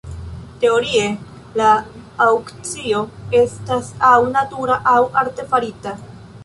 Teorie la aŭkcio estas aŭ natura aŭ artefarita.